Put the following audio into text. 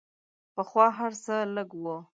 پخوا هر څه لږ وو.